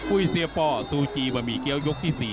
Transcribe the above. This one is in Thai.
ุ้ยเสียป้อซูจีบะหมี่เกี้ยวยกที่๔